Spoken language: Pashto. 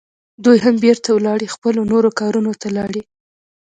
دوی هم بیرته ولاړې، خپلو نورو کارونو ته لاړې.